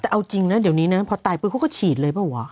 แต่เอาจริงนะเดี๋ยวนี้นะพอตายปุ๊บเขาก็ฉีดเลยเปล่าวะ